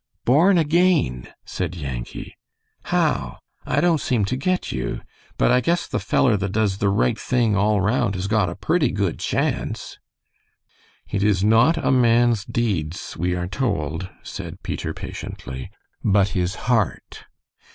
"Born again!" said Yankee. "How? I don't seem to get you. But I guess the feller that does the right thing all round has got a purty good chance." "It is not a man's deeds, we are told," said Peter, patiently, "but his heart."